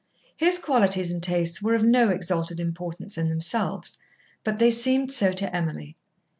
His qualities and tastes were of no exalted importance in themselves, but they seemed so to Emily.